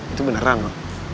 itu beneran lho